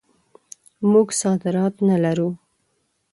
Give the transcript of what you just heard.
موږ صادرات نه لرو.